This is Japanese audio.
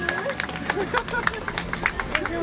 大丈夫？